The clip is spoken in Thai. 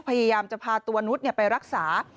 พยายามจะพาตัวนุษย์ไปรักษา